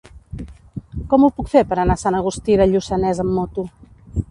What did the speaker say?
Com ho puc fer per anar a Sant Agustí de Lluçanès amb moto?